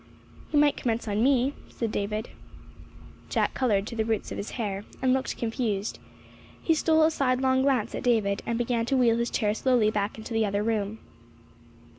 "You might commence on me," said David. Jack colored to the roots of his hair, and looked confused. He stole a sidelong glance at David, and began to wheel his chair slowly back into the other room.